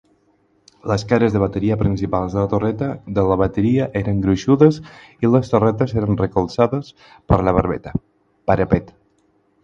Les cares de bateria principals de la torreta de la bateria eren gruixudes i les torretes eren recolzades per barbeta (parapet).